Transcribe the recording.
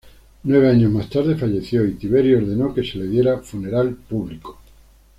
Nueve años más tarde falleció, y Tiberio ordenó que se le diera funeral público.